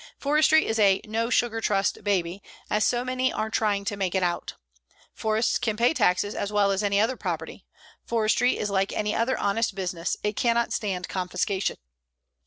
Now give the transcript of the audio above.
Forestry is no "sugar trust baby," as so many are trying to make it out. Forests can pay taxes as well as any other property. Forestry is like any other honest business, it cannot stand confiscation.